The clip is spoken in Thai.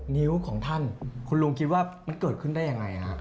นิ้วของท่านคุณลุงคิดว่ามันเกิดขึ้นได้ยังไงฮะ